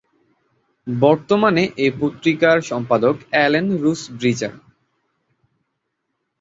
বর্তমানে এই পত্রিকার সম্পাদক অ্যালান রুসব্রিজার।